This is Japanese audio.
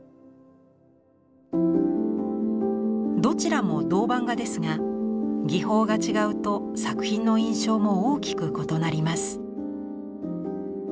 どちらも銅版画ですが技法が違うと作品の印象も大きく異なります。